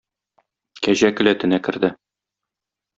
Кәҗә келәтенә керде.